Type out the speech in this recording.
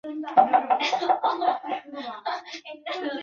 赴中国传教。